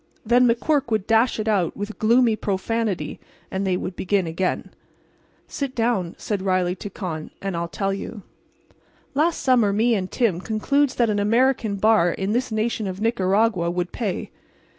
Then McQuirk would dash it out, with gloomy profanity, and they would begin again. "Sit down," said Riley to Con, "and I'll tell you. "Last summer me and Tim concludes that an American bar in this nation of Nicaragua would pay.